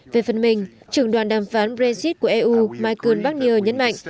về phần mình trưởng đoàn đàm phán brexit của eu michael barnier nhấn mạnh